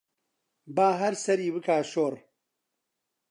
با هەر سەری بکا شۆڕ